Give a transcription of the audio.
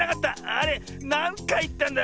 あれなんかいいったんだ？